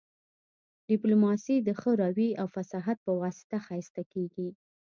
ډیپلوماسي د ښه رويې او فصاحت په واسطه ښایسته کیږي